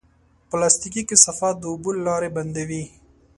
پلاستيکي کثافات د اوبو لارې بندوي.